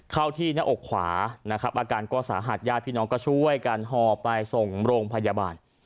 เข้าที่หน้าอกขวานะครับอาการก็สาหัสญาติพี่น้องก็ช่วยกันห่อไปส่งโรงพยาบาล